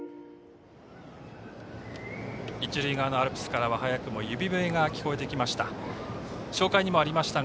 一塁側のアルプスからは早くも指笛が聞こえてきました。